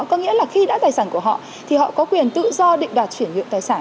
có nghĩa là khi đã tài sản của họ thì họ có quyền tự do định đoạt chuyển nhượng tài sản